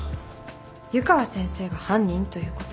湯川先生が犯人ということは？